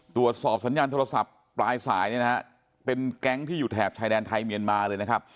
ตรวจสอบสัญญาณโทรศัพท์ปลายสายเนี่ยนะฮะเป็นแก๊งที่อยู่แถบชายแดนไทยเมียนมาเลยนะครับ